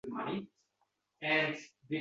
kezib yurar shahar koʼchalarida